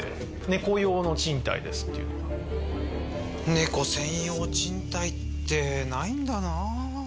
猫専用賃貸ってないんだなぁ。